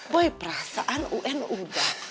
boy perasaan un udah